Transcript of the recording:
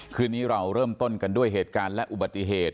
คืนนี้เราเริ่มต้นกันด้วยเหตุการณ์และอุบัติเหตุ